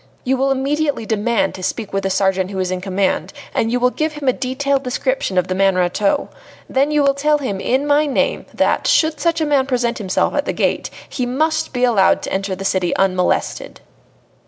You will immediately demand to speak with the sergeant who is in command, and you will give him a detailed description of the man Rateau. Then you will tell him in my name that, should such a man present himself at the gate, he must be allowed to enter the city unmolested."